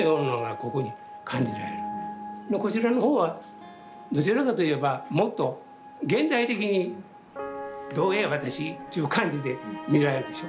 こちらの方はどちらかといえばもっと現代的に「どうや私」ちゅう感じで見られるでしょ。